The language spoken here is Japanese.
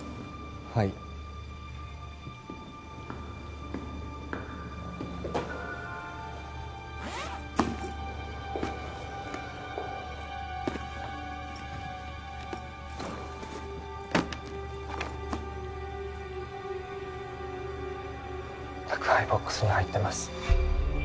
はい宅配ボックスに入ってます